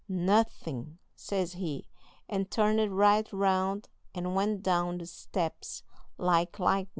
'NOTHIN',' says he, and turned right round and went down the steps like lightnin'."